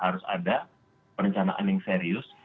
harus ada perencanaan yang serius